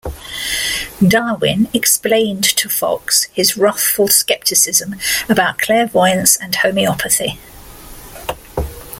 Darwin explained to Fox his wrathful scepticism about clairvoyance and homeopathy.